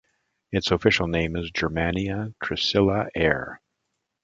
Its official name is Germania Trisila Air.